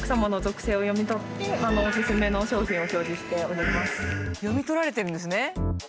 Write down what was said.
買う人の読み取られてるんですね。